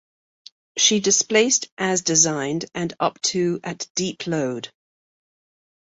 She displaced as designed and up to at deep load.